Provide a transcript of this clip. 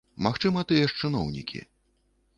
Магчыма, тыя ж чыноўнікі.